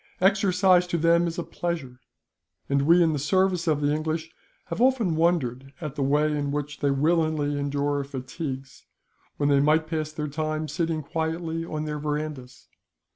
Exercise to them is a pleasure; and we in the service of the English have often wondered at the way in which they willingly endure fatigues, when they might pass their time sitting quietly in their verandahs.